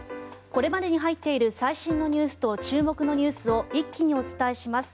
これまでに入っている最新のニュースと注目のニュースを一気にお伝えします。